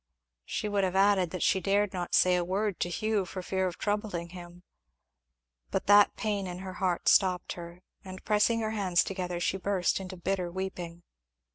She would have added that she dared not say a word to Hugh for fear of troubling him. But that pain at her heart stopped her, and pressing her hands together she burst into bitter weeping.